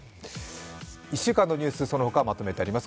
１週間のニュース、そのほかまとめてあります、